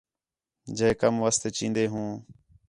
جئے کم واسطے چین٘دے ہوں